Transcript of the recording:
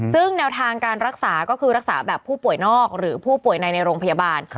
ซึ่งแนวทางการรักษาก็คือรักษาแบบผู้ป่วยนอกหรือผู้ป่วยในในโรงพยาบาล